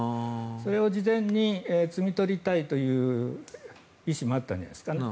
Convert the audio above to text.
それを事前に摘み取りたいという意思もあったんじゃないですか。